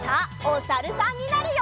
おさるさん。